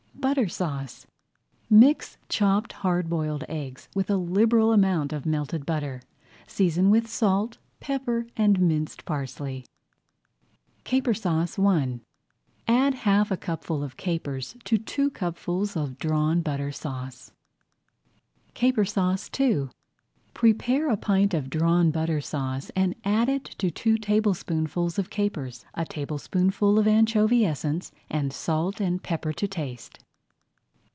BUTTER SAUCE Mix chopped hard boiled eggs with a liberal amount of melted butter. Season with salt, pepper, and minced parsley. CAPER SAUCE I Add half a cupful of capers to two cupfuls of Drawn Butter Sauce. CAPER SAUCE II Prepare a pint of Drawn Butter Sauce and add to it two tablespoonfuls of capers, a tablespoonful of anchovy essence, and salt and pepper to season.